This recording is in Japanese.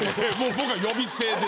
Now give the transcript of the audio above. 僕は呼び捨てですから。